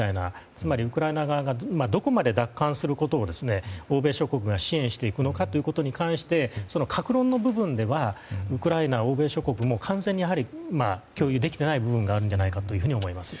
つまりウクライナ側がどこまで奪還することを欧米諸国が支援していくのかに関して各論の部分ではウクライナ、欧米諸国も完全に共有できていない部分があるんじゃないかと思います。